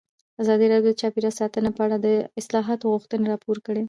ازادي راډیو د چاپیریال ساتنه په اړه د اصلاحاتو غوښتنې راپور کړې.